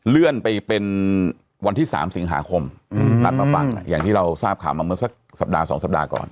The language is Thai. เลื่อนไปเป็นวันที่๓สิงหาคมนัดมาฟังอย่างที่เราทราบข่าวมาเมื่อสักสัปดาห์๒สัปดาห์ก่อน